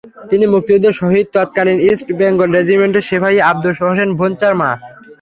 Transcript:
তিনি মুক্তিযুদ্ধে শহীদ তৎকালীন ইস্ট বেঙ্গল রেজিমেন্টের সিপাহি আবুল হোসেন ভূঞার মা।